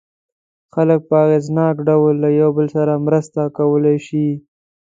خلک په اغېزناک ډول له یو بل سره مرسته کولای شي.